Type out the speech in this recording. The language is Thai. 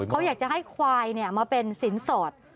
เขาอยากจะให้ควายมาเป็นสินสอด